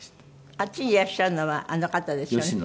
あっちにいらっしゃるのはあの方ですよね？